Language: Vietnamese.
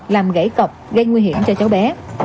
làm gãy cọp gây nguy hiểm cho cháu bé